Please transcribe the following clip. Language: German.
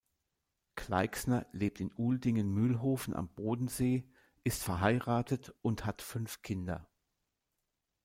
Gleixner lebt in Uhldingen-Mühlhofen am Bodensee, ist verheiratet und hat fünf Kinder.